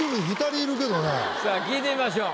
さあ聞いてみましょう。